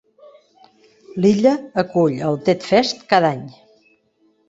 L'illa acull el Ted Fest cada any.